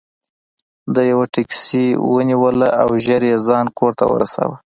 ده یوه ټکسي ونیوله او ژر یې ځان کور ته ورساوه.